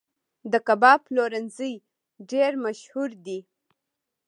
د کباب پلورنځي ډیر مشهور دي